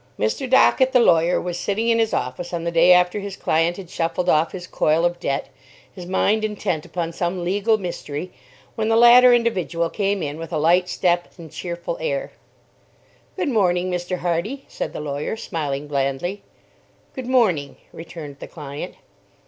Mr. Dockett, the lawyer, was sitting in his office on the day after his client had shuffled off his coil of debt, his mind intent upon some legal mystery, when the latter individual came in with a light step and cheerful air. "Good morning, Mr. Hardy," said the lawyer, smiling blandly. "Good morning," returned the client.